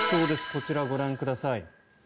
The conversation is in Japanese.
こちらをご覧ください。